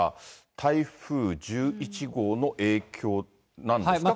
台風１１号の影響なんですか、これは。